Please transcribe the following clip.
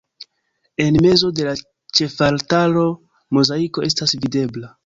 En mezo de la ĉefaltaro mozaiko estas videbla.